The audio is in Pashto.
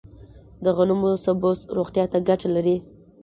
د غنمو سبوس روغتیا ته ګټه لري.